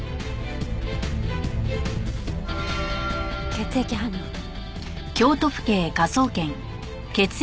血液反応ね。